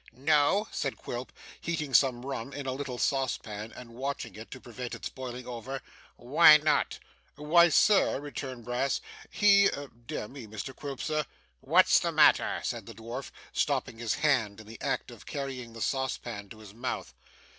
'No?' said Quilp, heating some rum in a little saucepan, and watching it to prevent its boiling over. 'Why not?' 'Why, sir,' returned Brass, 'he dear me, Mr Quilp, sir ' 'What's the matter?' said the dwarf, stopping his hand in the act of carrying the saucepan to his mouth.